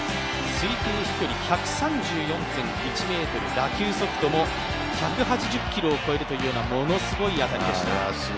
推定飛距離１３４．１ｍ、打球速度も１８０キロを超えるというような、ものすごい当たりでした。